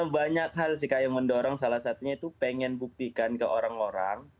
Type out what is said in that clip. banyak hal sih kak yang mendorong salah satunya itu pengen buktikan ke orang orang